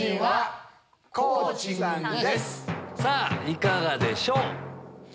いかがでしょう？